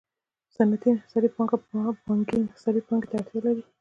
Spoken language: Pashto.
صنعتي انحصاري پانګه بانکي انحصاري پانګې ته اړتیا لري